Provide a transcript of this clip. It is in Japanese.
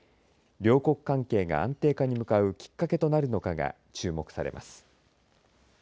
両国関係が安定化に向かうきっかけとなるのかが注目されます。